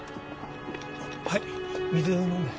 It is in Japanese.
はい水飲んで